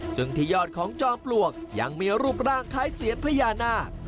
ซึ่งที่ยอดของจอมปลวกยังมีรูปร่างคล้ายเซียนพญานาค